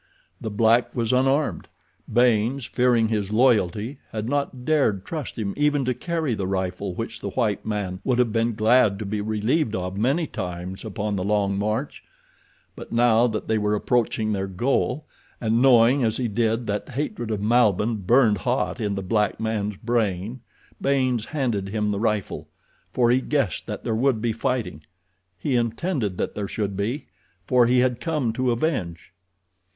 The black was unarmed—Baynes, fearing his loyalty had not dared trust him even to carry the rifle which the white man would have been glad to be relieved of many times upon the long march; but now that they were approaching their goal, and knowing as he did that hatred of Malbihn burned hot in the black man's brain, Baynes handed him the rifle, for he guessed that there would be fighting—he intended that there should, for he had come to avenge.